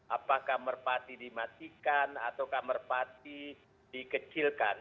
apakah merpati dimatikan atau merpati dikecilkan